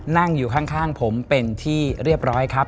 นั่งอยู่ข้างผมเป็นที่เรียบร้อยครับ